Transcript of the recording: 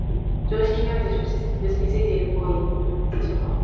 常識において直接に結び付いている行為の立場は、